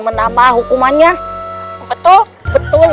menambah hukumannya betul betul